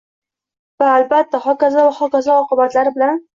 Va, albatta, xokazo va xokazo oqibatlari bilan